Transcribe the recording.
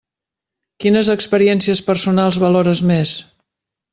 Quines experiències personals valores més?